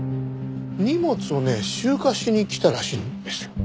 荷物をね集荷しに来たらしいんですよ。